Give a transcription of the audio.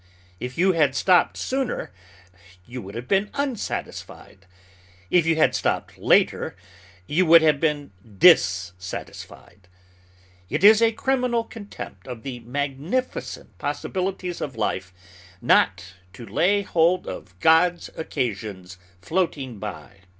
If you had stopped sooner, you would have been unsatisfied. If you had stopped later, you would have been dissatisfied. It is a criminal contempt of the magnificent possibilities of life not to lay hold of "God's occasions floating by."